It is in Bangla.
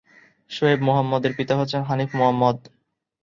শোয়েব মোহাম্মদের পিতা হচ্ছেন হানিফ মোহাম্মদ।